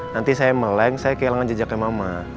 nanti saya meleng saya kehilangan jejaknya mama